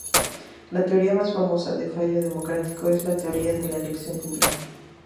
La teoría más famosa de fallo democrático es la teoría de la elección pública.